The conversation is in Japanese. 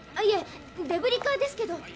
いえデブリ課ですけど。